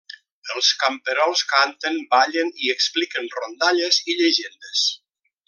Els camperols canten, ballen i expliquen rondalles i llegendes.